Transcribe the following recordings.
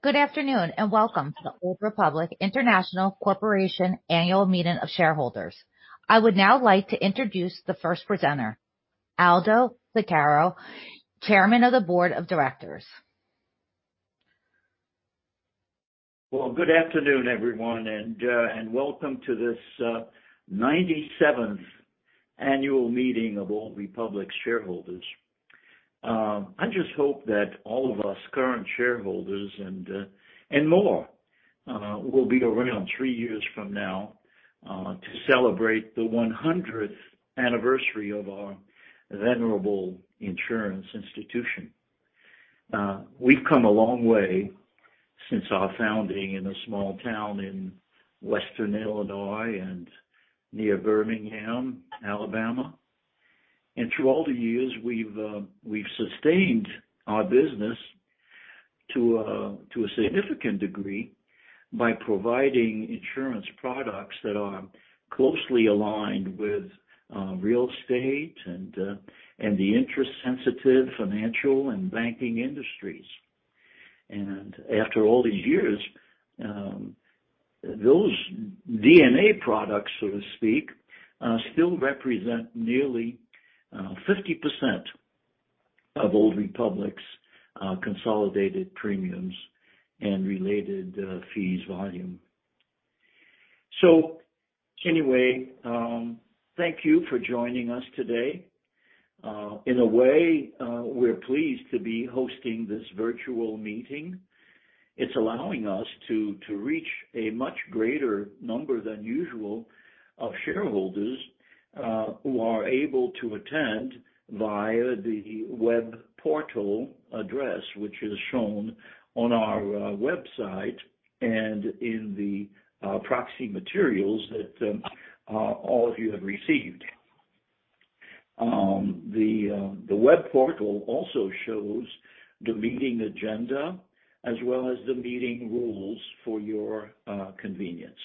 Good afternoon, and welcome to the Old Republic International Corporation Annual Meeting of Shareholders. I would now like to introduce the first presenter, Aldo Zucaro, Chairman of the Board of Directors. Well, good afternoon, everyone, and welcome to this 97th annual meeting of Old Republic shareholders. I just hope that all of us current shareholders and more will be around three years from now to celebrate the 100th anniversary of our venerable insurance institution. We've come a long way since our founding in a small town in western Illinois and near Birmingham, Alabama. Through all the years, we've sustained our business to a significant degree by providing insurance products that are closely aligned with real estate and the interest-sensitive financial and banking industries. After all these years, those DNA products, so to speak, still represent nearly 50% of Old Republic's consolidated premiums and related fees volume. Anyway, thank you for joining us today. In a way, we're pleased to be hosting this virtual meeting. It's allowing us to reach a much greater number than usual of shareholders who are able to attend via the web portal address, which is shown on our website and in the proxy materials that all of you have received. The web portal also shows the meeting agenda as well as the meeting rules for your convenience.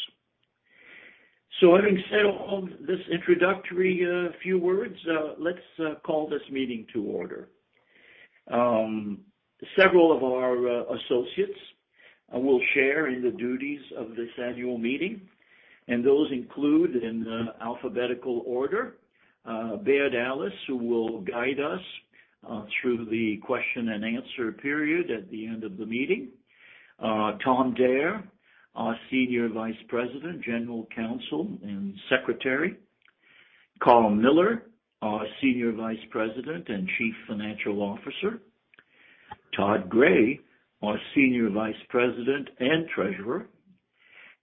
Having said all this introductory few words, let's call this meeting to order. Several of our associates will share in the duties of this annual meeting, and those include, in alphabetical order, Baird Ellis, who will guide us through the question and answer period at the end of the meeting; Tom Dare, our Senior Vice President, General Counsel, and Secretary; [Karl Mueller, our Senior Vice President and Chief Financial Officer; Todd Gray, our Senior Vice President and Treasurer;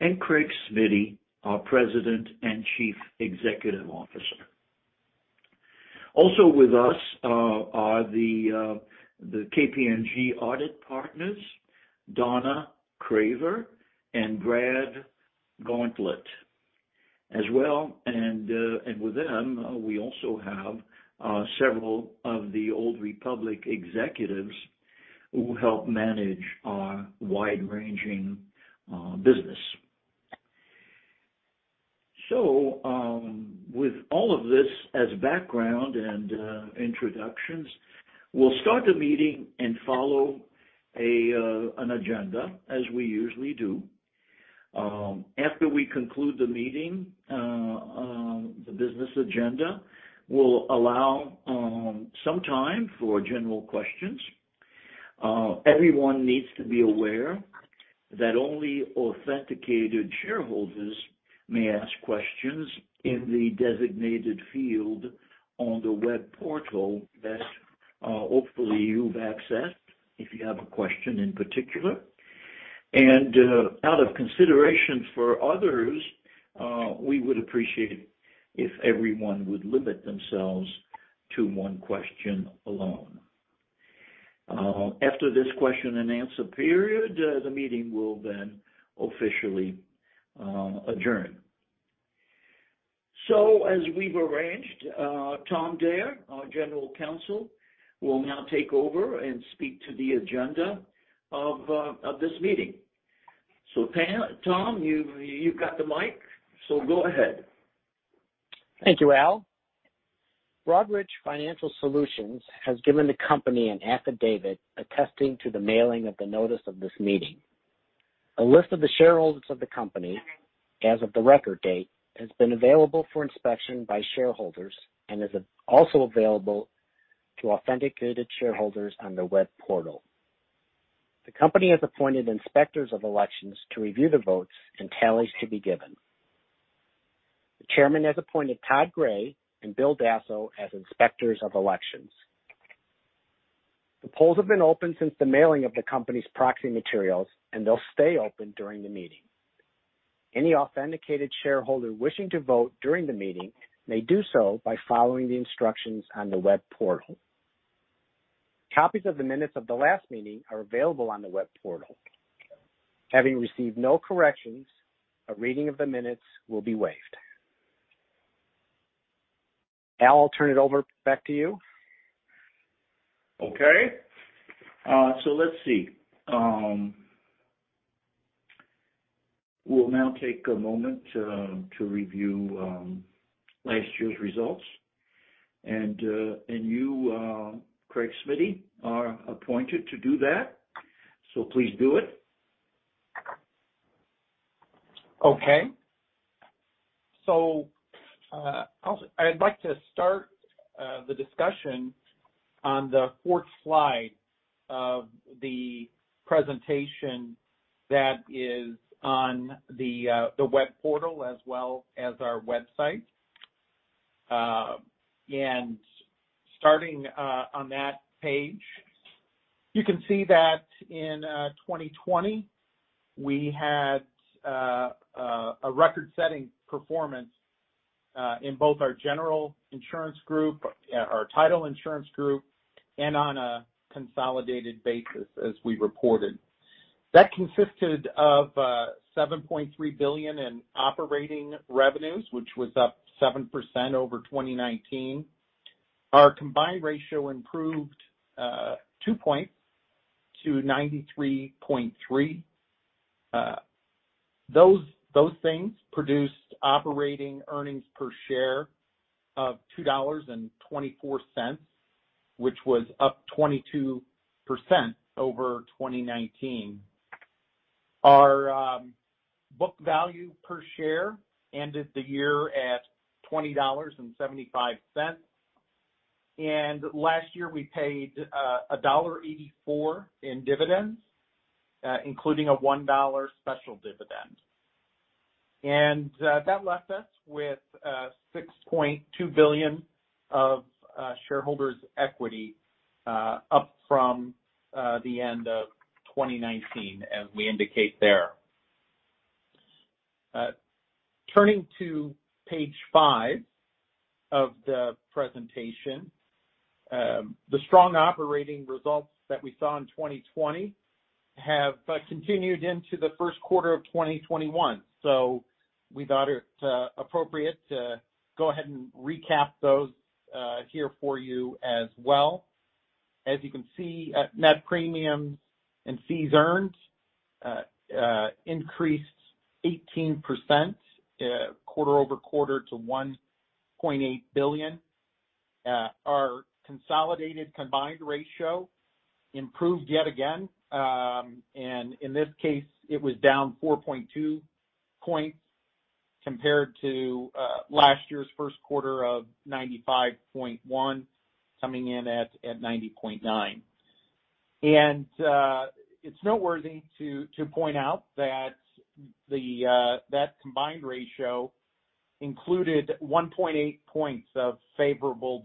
and Craig Smiddy, our President and Chief Executive Officer. Also with us are the KPMG audit partners, Donna Craver and Brad Gauntlett as well. With them, we also have several of the Old Republic executives who help manage our wide-ranging business. With all of this as background and introductions, we'll start the meeting and follow an agenda as we usually do. After we conclude the meeting, the business agenda will allow some time for general questions. Everyone needs to be aware that only authenticated shareholders may ask questions in the designated field on the web portal that hopefully you've accessed if you have a question in particular. Out of consideration for others, we would appreciate it if everyone would limit themselves to one question alone. After this question and answer period, the meeting will then officially adjourn. As we've arranged, Tom Dare, our general counsel, will now take over and speak to the agenda of this meeting. Tom, you've got the mic, so go ahead. Thank you, Al. Broadridge Financial Solutions has given the company an affidavit attesting to the mailing of the notice of this meeting. A list of the shareholders of the company as of the record date has been available for inspection by shareholders and is also available to authenticated shareholders on the web portal. The company has appointed inspectors of elections to review the votes and tallies to be given. The chairman has appointed Todd Gray and Bill Dasso as inspectors of elections. The polls have been open since the mailing of the company's proxy materials, and they'll stay open during the meeting. Any authenticated shareholder wishing to vote during the meeting may do so by following the instructions on the web portal. Copies of the minutes of the last meeting are available on the web portal. Having received no corrections, a reading of the minutes will be waived. Al, I'll turn it over back to you. Okay. Let's see. We'll now take a moment to review last year's results. You, Craig Smiddy, are appointed to do that. Please do it. Okay. I'd like to start the discussion on the fourth slide of the presentation that is on the web portal as well as our website. Starting on that page, you can see that in 2020, we had a record-setting performance in both our General Insurance Group, our Title Insurance Group, and on a consolidated basis as we reported. That consisted of $7.3 billion in operating revenues, which was up 7% over 2019. Our combined ratio improved two points to 93.3. Those things produced operating earnings per share of $2.24, which was up 22% over 2019. Our book value per share ended the year at $20.75, and last year we paid $1.84 in dividends, including a $1 special dividend. That left us with $6.2 billion of shareholders' equity, up from the end of 2019, as we indicate there. Turning to page five of the presentation. The strong operating results that we saw in 2020 have continued into the first quarter of 2021. We thought it appropriate to go ahead and recap those here for you as well. As you can see, net premiums and fees earned increased 18% quarter-over-quarter to $1.8 billion. Our consolidated combined ratio improved yet again. In this case, it was down 4.2 points compared to last year's first quarter of 95.1, coming in at 90.9. It's noteworthy to point out that that combined ratio included 1.8 points of favorable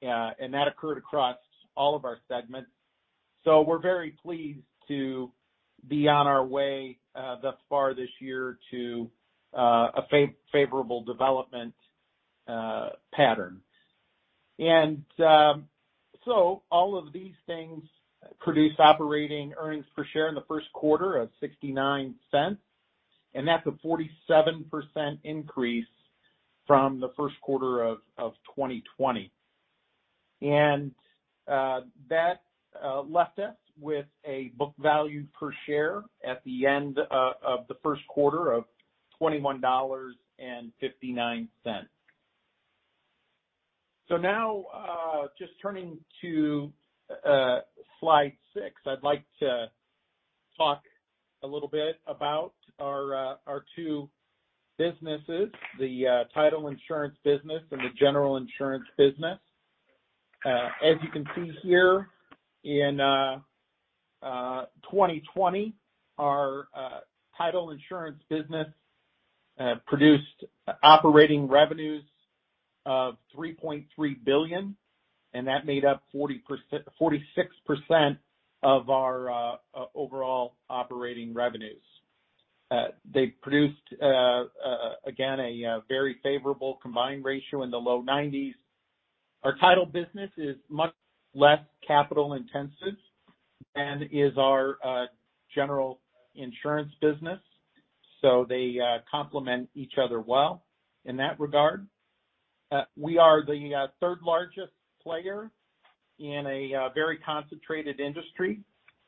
development, and that occurred across all of our segments. We're very pleased to be on our way thus far this year to a favorable development pattern. All of these things produce operating earnings per share in the first quarter of $0.69, and that's a 47% increase from the first quarter of 2020. That left us with a book value per share at the end of the first quarter of $21.59. Now, just turning to slide six, I'd like to talk a little bit about our two businesses, the Title Insurance business and the General Insurance business. As you can see here, in 2020, our Title Insurance business produced operating revenues of $3.3 billion, and that made up 46% of our overall operating revenues. They produced, again, a very favorable combined ratio in the low 90s. Our Title business is much less capital-intensive than is our General Insurance business, so they complement each other well in that regard. We are the third-largest player in a very concentrated industry,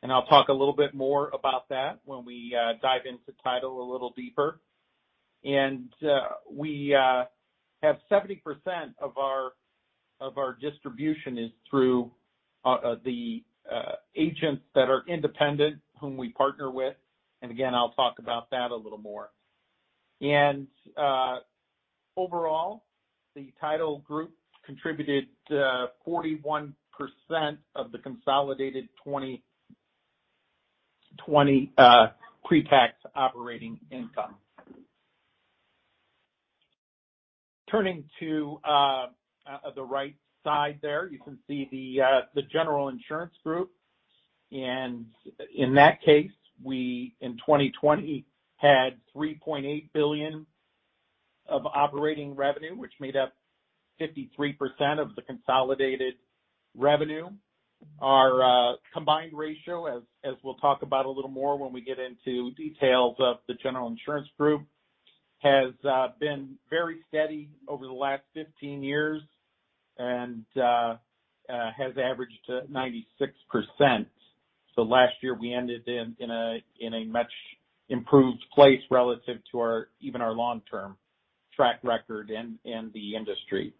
and I'll talk a little bit more about that when we dive into Title a little deeper. We have 70% of our distribution is through the agents that are independent, whom we partner with. Again, I'll talk about that a little more. Overall, the Title Group contributed 41% of the consolidated 2020 pre-tax operating income. Turning to the right side there, you can see the General Insurance group. In that case, we in 2020, had $3.8 billion of operating revenue, which made up 53% of the consolidated revenue. Our combined ratio, as we'll talk about a little more when we get into details of the General Insurance group, has been very steady over the last 15 years and has averaged at 96%. Last year we ended in a much-improved place relative to even our long-term track record in the industry.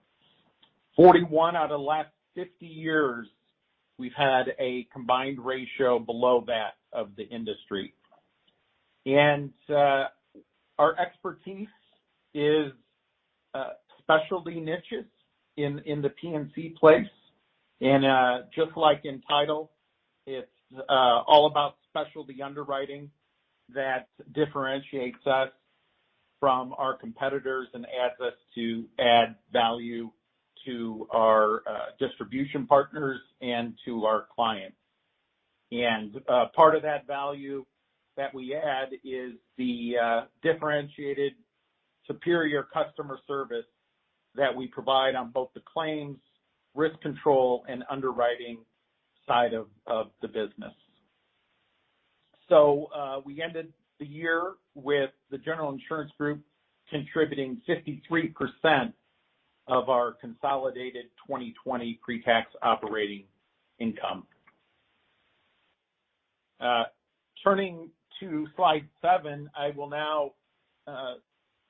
41 out of the last 50 years, we've had a combined ratio below that of the industry. Our expertise is specialty niches in the P&C place. Just like in title, it's all about specialty underwriting that differentiates us from our competitors and helps us to add value to our distribution partners and to our clients. Part of that value that we add is the differentiated superior customer service that we provide on both the claims, risk control, and underwriting side of the business. We ended the year with the General Insurance Group contributing 53% of our consolidated 2020 pre-tax operating income. Turning to slide seven, I will now,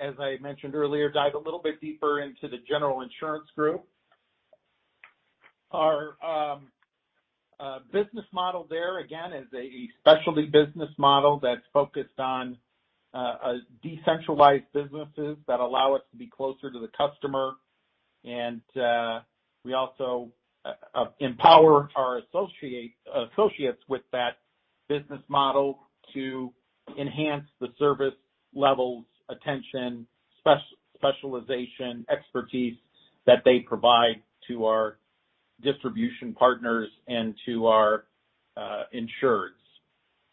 as I mentioned earlier, dive a little bit deeper into the General Insurance Group. Our business model there, again, is a specialty business model that's focused on decentralized businesses that allow us to be closer to the customer. We also empower our associates with that business model to enhance the service levels, attention, specialization, expertise that they provide to our distribution partners and to our insureds.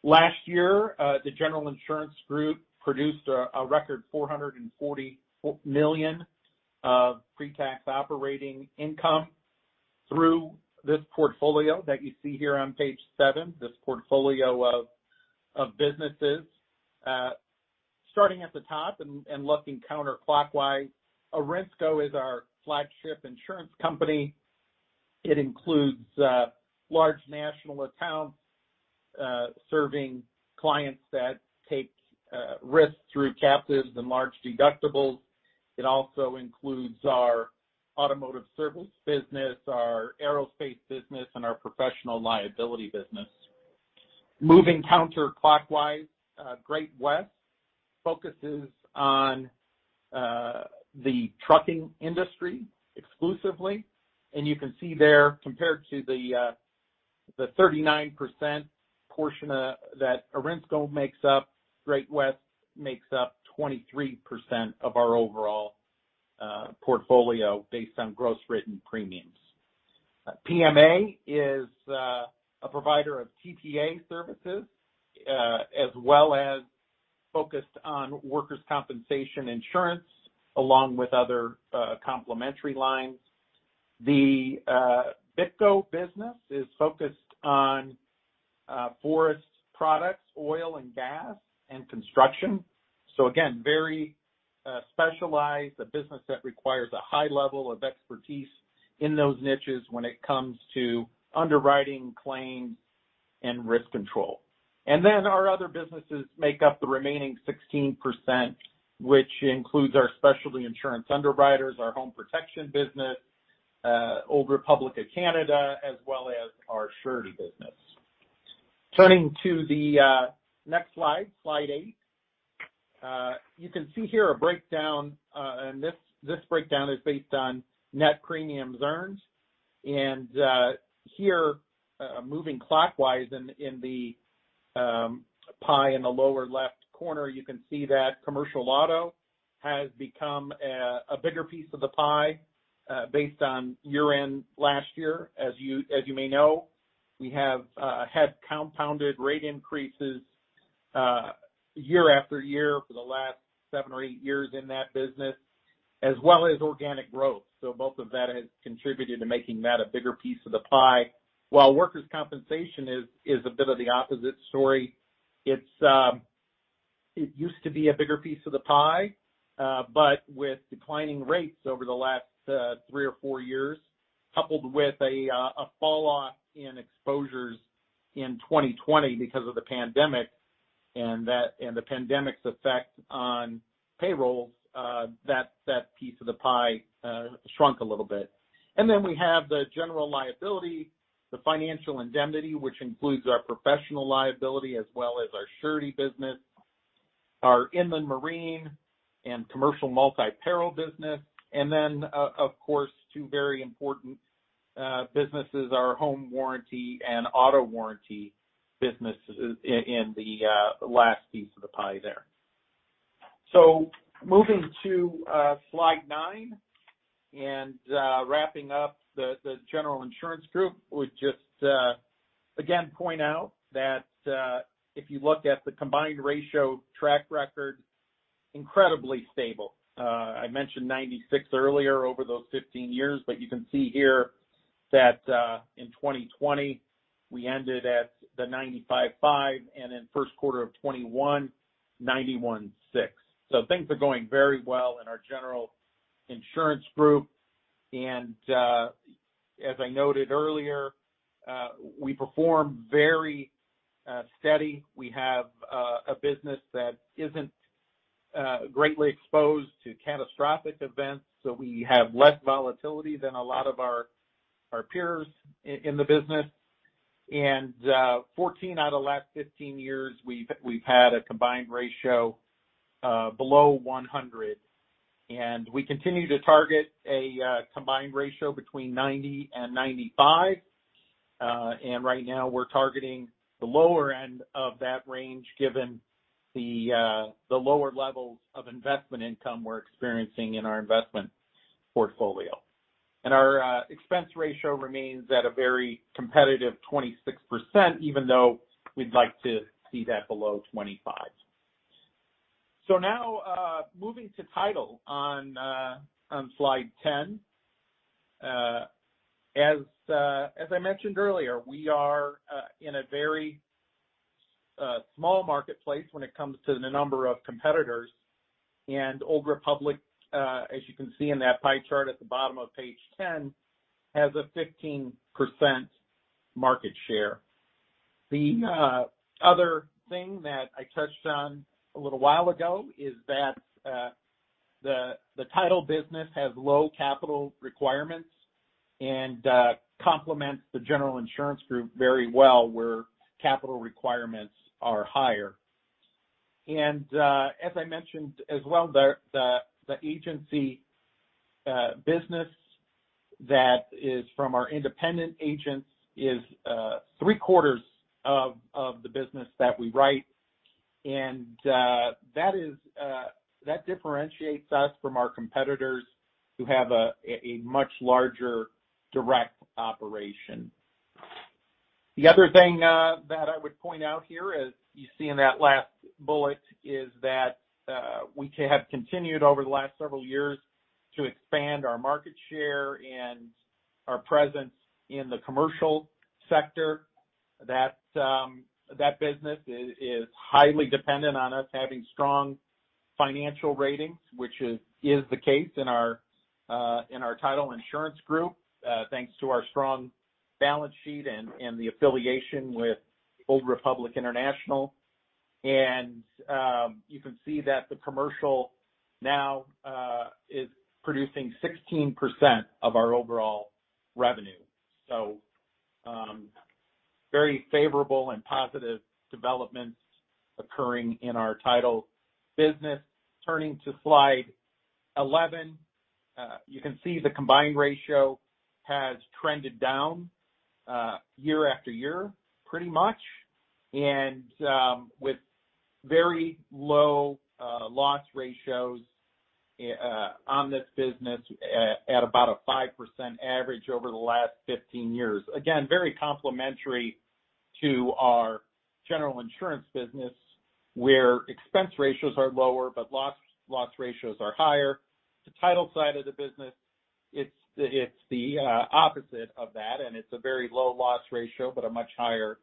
Last year, the Old Republic General Insurance Group produced a record $440 million of pre-tax operating income through this portfolio that you see here on page seven, this portfolio of businesses. Starting at the top and looking counterclockwise, ORINSCO is our flagship insurance company. It includes large national accounts, serving clients that take risks through captives and large deductibles. It also includes our automotive service business, our aerospace business, and our professional liability business. Moving counterclockwise, Great West focuses on the trucking industry exclusively, and you can see there, compared to the 39% portion that ORINSCO makes up, Great West makes up 23% of our overall portfolio based on gross written premiums. PMA is a provider of TPA services, as well as focused on workers' compensation insurance along with other complementary lines. The BITCO business is focused on forest products, oil and gas, and construction. Again, very specialized, a business that requires a high level of expertise in those niches when it comes to underwriting claims and risk control. Then our other businesses make up the remaining 16%, which includes our Specialty Insurance Underwriters, our home protection business, Old Republic Canada, as well as our surety business. Turning to the next slide eight. You can see here a breakdown, this breakdown is based on net premiums earned. Here, moving clockwise in the pie in the lower-left corner, you can see that commercial auto has become a bigger piece of the pie based on year-end last year. As you may know, we have had compounded rate increases year-after-year for the last seven or eight years in that business, as well as organic growth. Both of that has contributed to making that a bigger piece of the pie. While workers' compensation is a bit of the opposite story. It used to be a bigger piece of the pie, with declining rates over the last three or four years, coupled with a falloff in exposures in 2020 because of the pandemic and the pandemic's effect on payroll, that piece of the pie shrunk a little bit. We have the general liability, the financial indemnity, which includes our professional liability as well as our surety business, our inland marine and commercial multi-peril business, then, of course, two very important businesses, our home warranty and auto warranty businesses in the last piece of the pie there. Moving to slide nine and wrapping up the General Insurance Group. Would just again point out that if you look at the combined ratio track record, incredibly stable. I mentioned 96 earlier over those 15 years, you can see here that in 2020, we ended at the 95.5, and in first quarter of 2021, 91.6. Things are going very well in our General Insurance Group. As I noted earlier, we perform very steady. We have a business that isn't greatly exposed to catastrophic events. We have less volatility than a lot of our peers in the business. 14 out of the last 15 years, we've had a combined ratio below 100. We continue to target a combined ratio between 90 and 95. Right now we're targeting the lower end of that range, given the lower levels of investment income we're experiencing in our investment portfolio. Our expense ratio remains at a very competitive 26%, even though we'd like to see that below 25%. Now, moving to Title on slide 10. As I mentioned earlier, we are in a very small marketplace when it comes to the number of competitors. Old Republic, as you can see in that pie chart at the bottom of page 10, has a 15% market share. The other thing that I touched on a little while ago is that the Title business has low capital requirements and complements the General Insurance Group very well, where capital requirements are higher. As I mentioned as well, the agency business that is from our independent agents is 3/4 of the business that we write. That differentiates us from our competitors who have a much larger direct operation. The other thing that I would point out here, as you see in that last bullet, is that we have continued over the last several years to expand our market share and our presence in the commercial sector. That business is highly dependent on us having strong financial ratings, which is the case in our Title Insurance Group, thanks to our strong balance sheet and the affiliation with Old Republic International. You can see that the commercial now is producing 16% of our overall revenue. Very favorable and positive developments occurring in our Title business. Turning to slide 11, you can see the combined ratio has trended down year-after-year, pretty much, and with very low loss ratios on this business at about a 5% average over the last 15 years. Again, very complementary to our General Insurance business, where expense ratios are lower, but loss ratios are higher. The Title side of the business, it's the opposite of that, and it's a very low loss ratio, but a much higher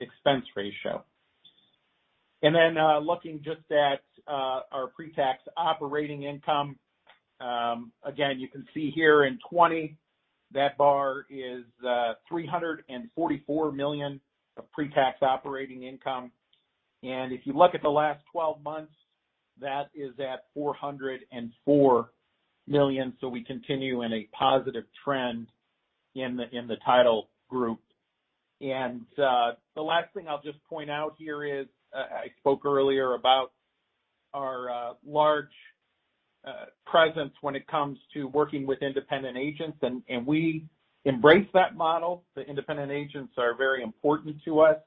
expense ratio. Looking just at our pre-tax operating income, again, you can see here in 2020, that bar is $344 million of pre-tax operating income. If you look at the last 12 months, that is at $404 million. We continue in a positive trend in the Title Group. The last thing I'll just point out here is, I spoke earlier about our large presence when it comes to working with independent agents, and we embrace that model. The independent agents are very important to us,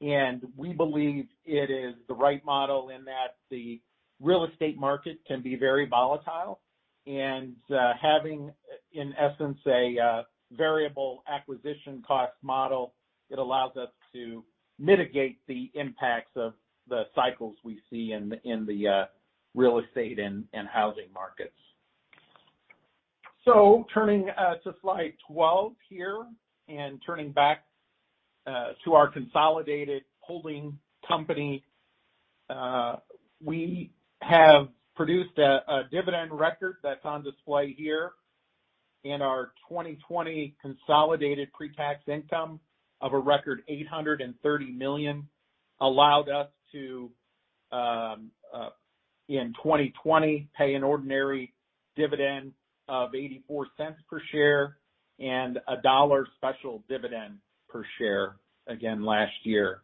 and we believe it is the right model in that the real estate market can be very volatile, and having, in essence, a variable acquisition cost model, it allows us to mitigate the impacts of the cycles we see in the real estate and housing markets. Turning to slide 12 here, and turning back to our consolidated holding company. We have produced a dividend record that's on display here in our 2020 consolidated pre-tax income of a record $830 million, allowed us to, in 2020, pay an ordinary dividend of $0.84 per share and a $1 special dividend per share again last year.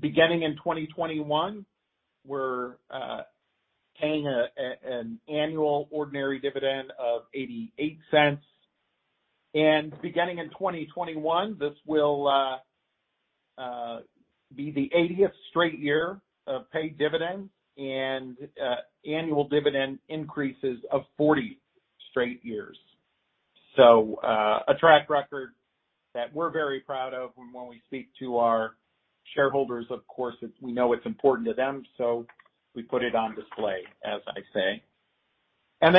Beginning in 2021, we're paying an annual ordinary dividend of $0.88. Beginning in 2021, this will be the 80th straight year of paid dividends and annual dividend increases of 40 straight years. At track record, that we're very proud of, and when we speak to our shareholders, of course, we know it's important to them, so we put it on display, as I say.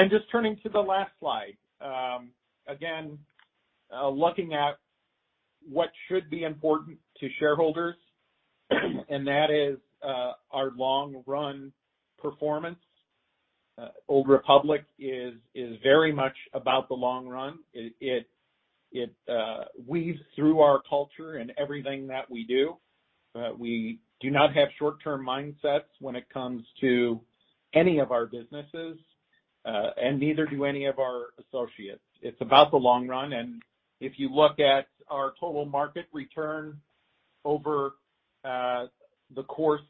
Just turning to the last slide. Again, looking at what should be important to shareholders, and that is our long run performance. Old Republic is very much about the long run. It weaves through our culture and everything that we do. We do not have short-term mindsets when it comes to any of our businesses, and neither do any of our associates. It's about the long run, and if you look at our total market return over the course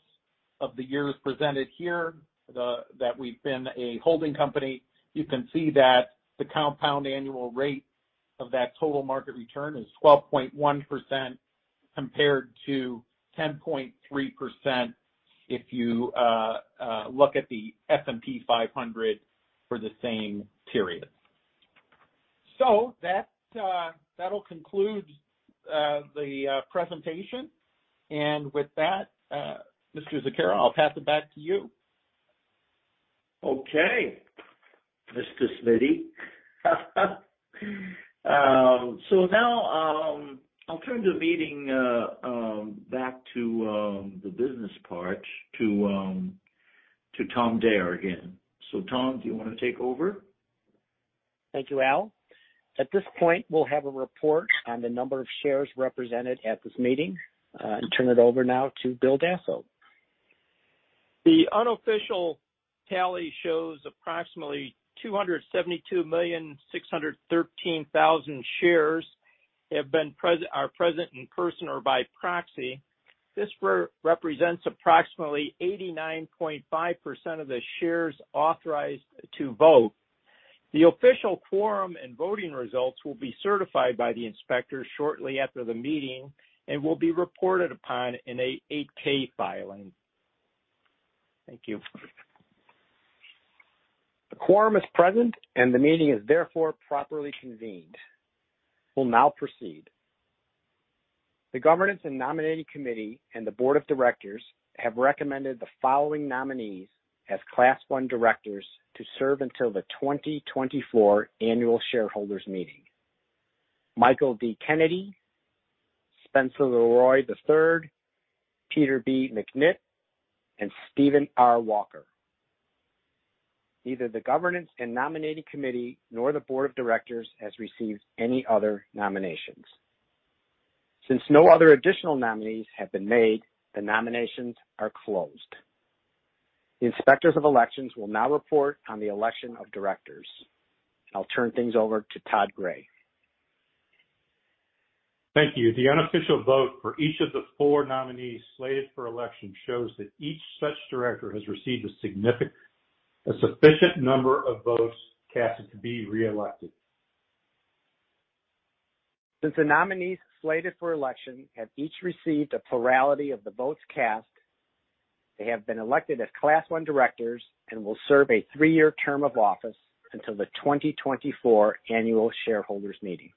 of the years presented here that we've been a holding company, you can see that the compound annual rate of that total market return is 12.1% compared to 10.3% if you look at the S&P 500 for the same period. That'll conclude the presentation. With that, Mr. Zucaro, I'll pass it back to you. Okay. Mr. Smiddy. Now I'll turn the meeting back to the business part to Tom Dare again. Tom, do you want to take over? Thank you, Al. At this point, we'll have a report on the number of shares represented at this meeting. Turn it over now to Bill Dasso. The unofficial tally shows approximately 272,613,000 shares are present in person or by proxy. This represents approximately 89.5% of the shares authorized to vote. The official quorum and voting results will be certified by the inspector shortly after the meeting and will be reported upon in an 8-K filing. Thank you. The quorum is present and the meeting is therefore properly convened. We'll now proceed. The Governance and Nominating Committee and the Board of Directors have recommended the following nominees as Class 1 directors to serve until the 2024 annual shareholders meeting: Michael D. Kennedy, Spencer LeRoy III, Peter B. McNitt, and Steven R. Walker. Neither the Governance and Nominating Committee nor the Board of Directors has received any other nominations. Since, no other additional nominees have been made, the nominations are closed. The Inspectors of Elections will now report on the election of directors. I'll turn things over to Todd Gray. Thank you. The unofficial vote for each of the four nominees slated for election shows that each such director has received a sufficient number of votes cast to be reelected. Since the nominees slated for election have each received a plurality of the votes cast, they have been elected as Class 1 directors and will serve a three-year term of office until the 2024 annual shareholders meeting.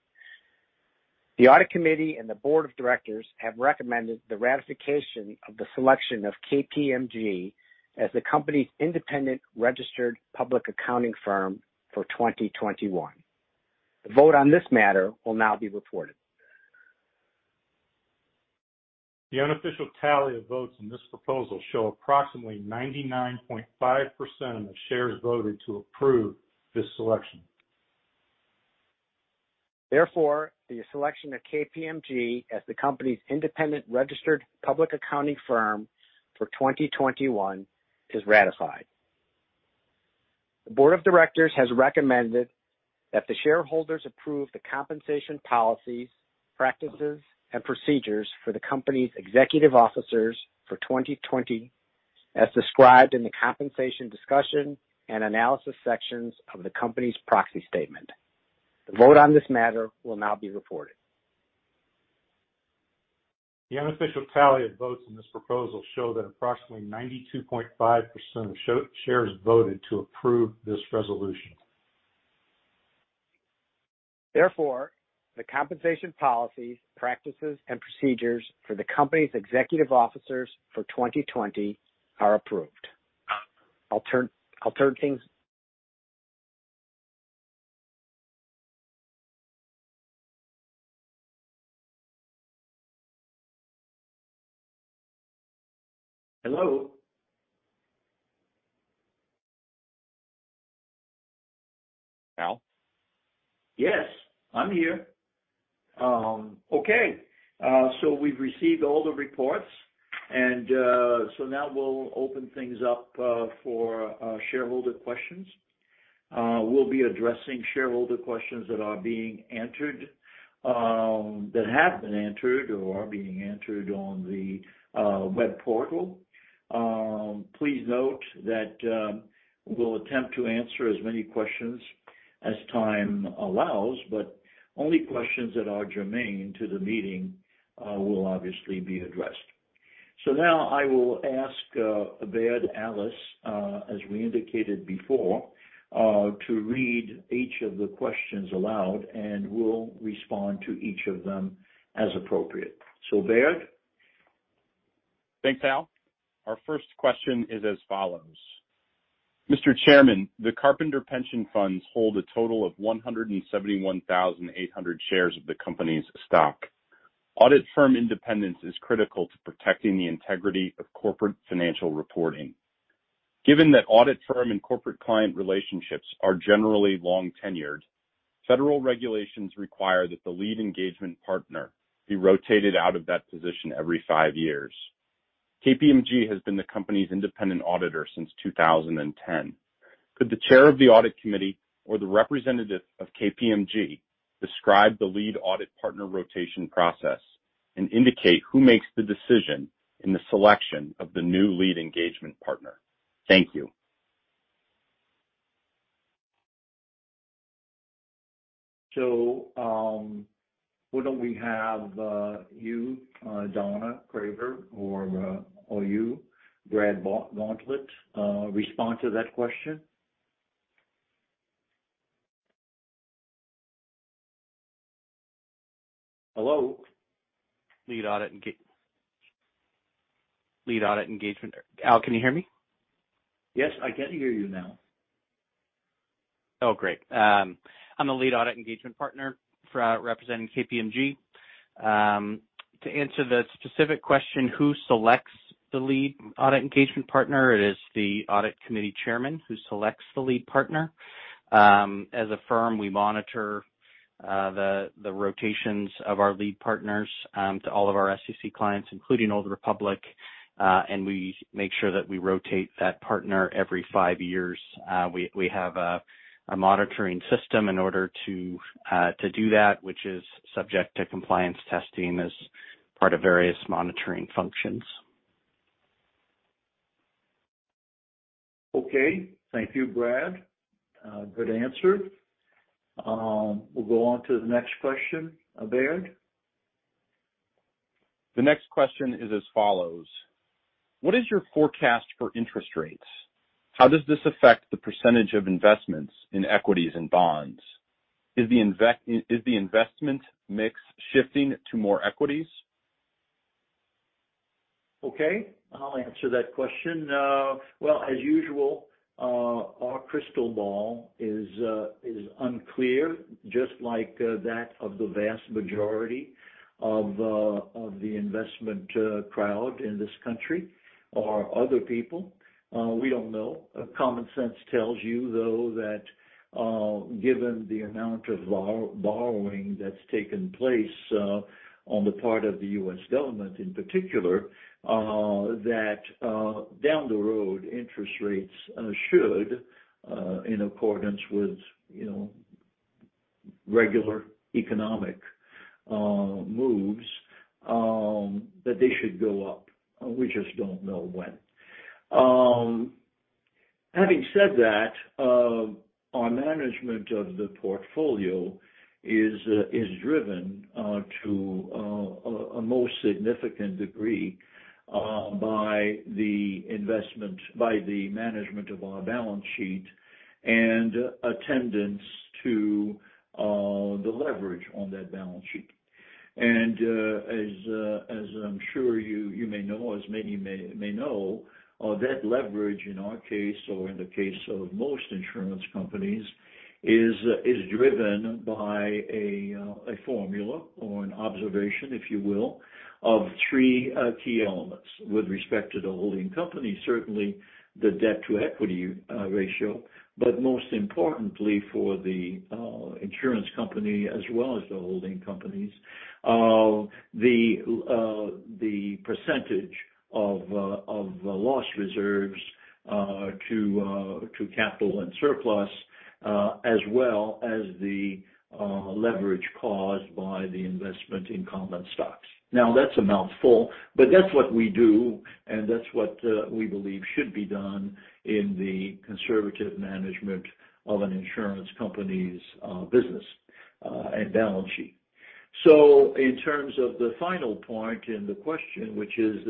The Audit Committee and the Board of Directors have recommended the ratification of the selection of KPMG as the company's independent registered public accounting firm for 2021. The vote on this matter will now be reported. The unofficial tally of votes in this proposal show approximately 99.5% of shares voted to approve this selection. Therefore, the selection of KPMG as the company's independent registered public accounting firm for 2021 is ratified. The Board of Directors has recommended that the shareholders approve the compensation policies, practices, and procedures for the company's executive officers for 2020 as described in the compensation discussion and analysis sections of the company's proxy statement. The vote on this matter will now be reported. The unofficial tally of votes in this proposal show that approximately 92.5% of shares voted to approve this resolution. Therefore, the compensation policies, practices, and procedures for the company's executive officers for 2020 are approved. I'll turn things. Hello? Al? Yes, I'm here. Okay. We've received all the reports. Now we'll open things up for shareholder questions. We'll be addressing shareholder questions that are being entered, that have been entered or are being entered on the web portal. Please note that we'll attempt to answer as many questions as time allows, but only questions that are germane to the meeting will obviously be addressed. Now I will ask Baird Ellis, as we indicated before, to read each of the questions aloud, and we'll respond to each of them as appropriate. Baird? Thanks, Al. Our first question is as follows. Mr. Chairman, the Carpenters Pension funds hold a total of 171,800 shares of the company's stock. Audit firm independence is critical to protecting the integrity of corporate financial reporting. Given that audit firm and corporate client relationships are generally long tenured, federal regulations require that the lead engagement partner be rotated out of that position every five years. KPMG has been the company's independent auditor since 2010. Could the Chair of the Audit Committee or the representative of KPMG describe the lead audit partner rotation process and indicate who makes the decision in the selection of the new lead engagement partner? Thank you. Why don't we have you, Donna Craver, or you, Brad Gauntlett, respond to that question. Hello. Lead audit engagement. Al, can you hear me? Yes, I can hear you now. Oh, great. I'm the lead audit engagement partner representing KPMG. To answer the specific question, who selects the lead audit engagement partner? It is the Audit Committee Chairman who selects the lead partner. As a firm, we monitor the rotations of our lead partners to all of our SEC clients, including Old Republic, and we make sure that we rotate that partner every five years. We have a monitoring system in order to do that, which is subject to compliance testing as part of various monitoring functions. Okay. Thank you, Brad. Good answer. We'll go on to the next question. Baird. The next question is as follows. What is your forecast for interest rates? How does this affect the percentage of investments in equities and bonds? Is the investment mix shifting to more equities? Okay, I'll answer that question. Well, as usual, our crystal ball is unclear, just like that of the vast majority of the investment crowd in this country or other people. We don't know. Common sense tells you, though, that given the amount of borrowing that's taken place on the part of the U.S. government in particular, that down the road, interest rates should, in accordance with regular economic moves, that they should go up. We just don't know when. Having said that, our management of the portfolio is driven to a most significant degree by the investment, by the management of our balance sheet and attendance to the leverage on that balance sheet. As I'm sure you may know, or as many may know, that leverage in our case or in the case of most insurance companies, is driven by a formula or an observation, if you will, of three key elements with respect to the holding company. Certainly the debt to equity ratio, but most importantly for the insurance company as well as the holding companies, the percentage of the loss reserves to capital and surplus, as well as the leverage caused by the investment in common stocks. That's a mouthful, but that's what we do, and that's what we believe should be done in the conservative management of an insurance company's business and balance sheet. In terms of the final point in the question, which is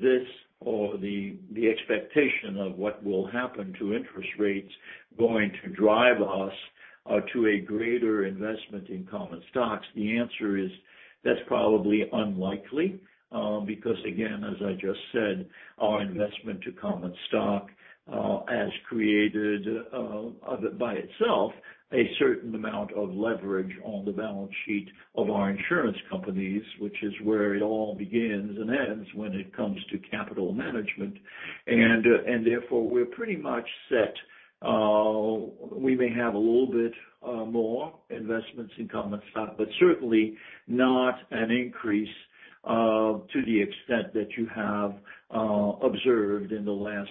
this or the expectation of what will happen to interest rates going to drive us to a greater investment in common stocks? The answer is that's probably unlikely because again, as I just said, our investment to common stock has created by itself a certain amount of leverage on the balance sheet of our insurance companies, which is where it all begins and ends when it comes to capital management. Therefore we're pretty much set. We may have a little bit more investments in common stock, but certainly not an increase to the extent that you have observed in the last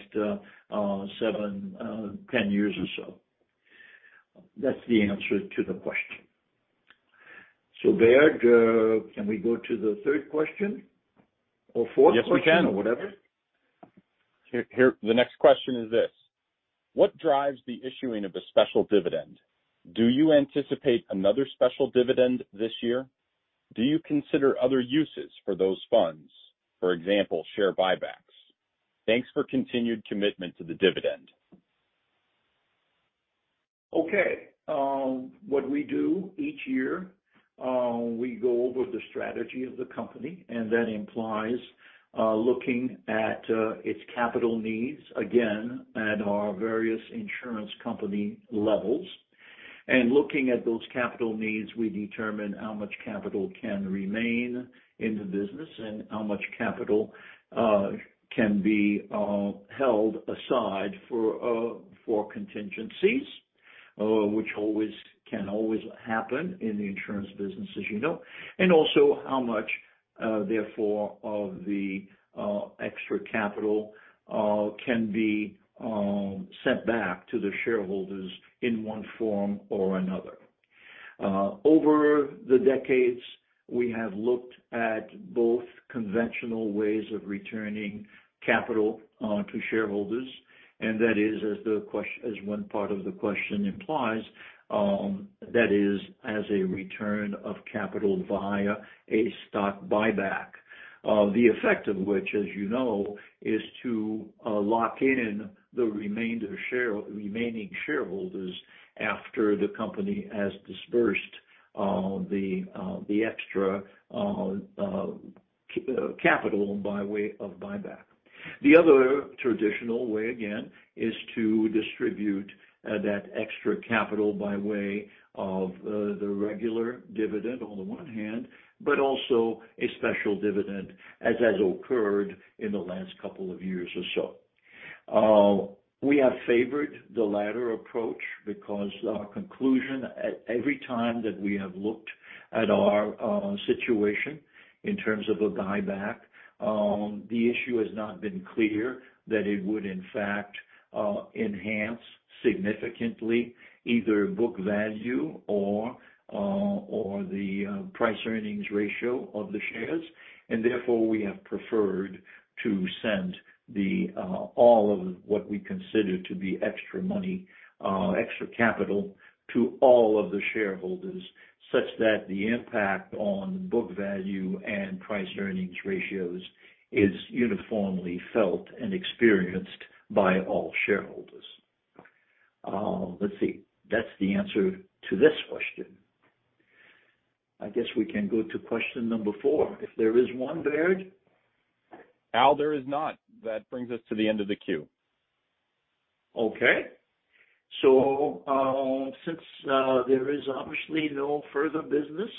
seven, 10 years or so. That's the answer to the question. Baird, can we go to the third question or fourth question or whatever? The next question is this: What drives the issuing of a special dividend? Do you anticipate another special dividend this year? Do you consider other uses for those funds, for example, share buybacks? Thanks for continued commitment to the dividend. Okay. What we do each year, we go over the strategy of the company, and that implies looking at its capital needs, again, at our various insurance company levels. Looking at those capital needs, we determine how much capital can remain in the business and how much capital can be held aside for contingencies, which can always happen in the insurance business, as you know, and also how much, therefore, of the extra capital can be sent back to the shareholders in one form or another. Over the decades, we have looked at both conventional ways of returning capital to shareholders, and that is as one part of the question implies, that is as a return of capital via a stock buyback. The effect of which, as you know, is to lock in the remaining shareholders after the company has disbursed the extra capital by way of buyback. The other traditional way, again, is to distribute that extra capital by way of the regular dividend on the one hand, but also a special dividend, as has occurred in the last couple of years or so. We have favored the latter approach because our conclusion every time that we have looked at our situation in terms of a buyback, the issue has not been clear that it would in fact enhance significantly either book value or the price earnings ratio of the shares. Therefore, we have preferred to send all of what we consider to be extra money, extra capital to all of the shareholders, such that the impact on book value and price earnings ratios is uniformly felt and experienced by all shareholders. Let's see. That's the answer to this question. I guess we can go to question number four, if there is one, Baird. Al, there is not. That brings us to the end of the queue. Okay. Since there is obviously no further business,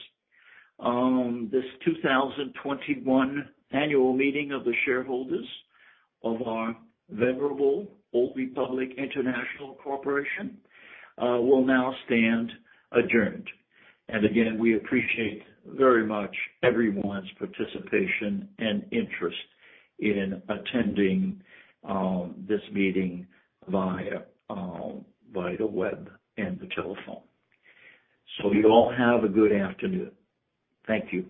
this 2021 annual meeting of the shareholders of our venerable Old Republic International Corporation will now stand adjourned. Again, we appreciate very much everyone's participation and interest in attending this meeting via the web and the telephone. You all have a good afternoon. Thank you.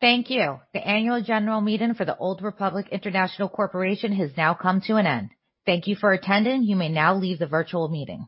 Thank you. The annual general meeting for the Old Republic International Corporation has now come to an end. Thank you for attending. You may now leave the virtual meeting.